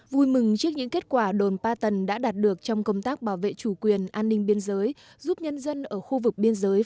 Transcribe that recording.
vui mừng trước những kết quả đồn ba tầng đã đạt được trong công tác bảo vệ chủ quyền an ninh biên giới